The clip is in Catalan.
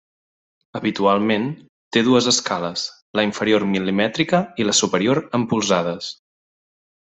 Habitualment té dues escales: la inferior mil·limètrica i la superior, en polzades.